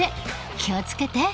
気を付けて。